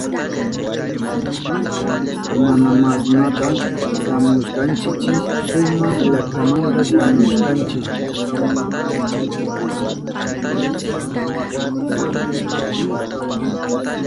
¿Imashnamantata shamushkankichi? Suma llaktamanta shamushkanchi.